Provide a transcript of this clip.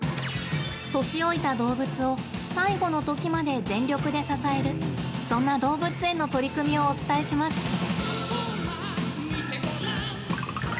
年老いた動物を最期のときまで全力で支えるそんな動物園の取り組みをお伝えします。